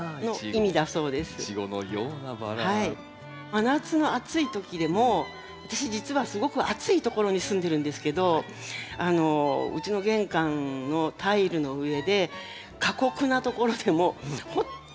真夏の暑い時でも私実はすごく暑いところに住んでるんですけどうちの玄関のタイルの上で過酷なところでもほんとに繰り返しよく咲いてくれる。